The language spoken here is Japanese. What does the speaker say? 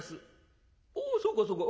「おおそうかそうか。